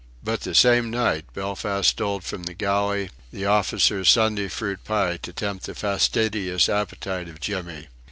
But the same night Belfast stole from the galley the officers' Sunday fruit pie, to tempt the fastidious appetite of Jimmy.